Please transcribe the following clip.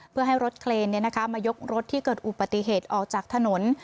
เพื่อให้รถเคลนเนี้ยนะคะมายกรถที่เกิดอุปติเหตุออกจากถนน